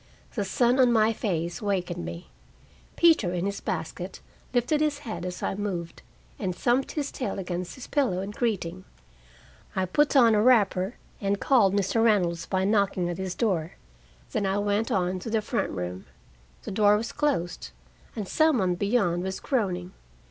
The sun on my face wakened me. Peter, in his basket, lifted his head as I moved, and thumped his tail against his pillow in greeting. I put on a wrapper, and called Mr. Reynolds by knocking at his door. Then I went on to the front room. The door was closed, and some one beyond was groaning.